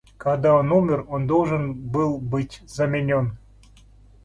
Когда он умер, он должен был быть заменен.